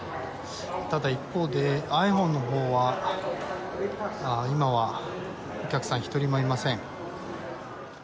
ただ一方でｉＰｈｏｎｅのほうは今はお客さん１人もいません。